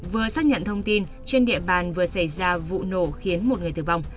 vừa xác nhận thông tin trên địa bàn vừa xảy ra vụ nổ khiến một người tử vong